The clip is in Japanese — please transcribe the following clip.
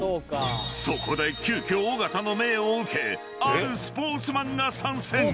［そこで急きょ尾形の命を受けあるスポーツマンが参戦］